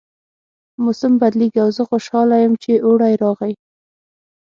موسم بدلیږي او زه خوشحاله یم چې اوړی راغی